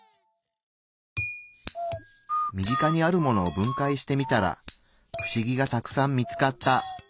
身近にあるものを分解してみたらフシギがたくさん見つかった。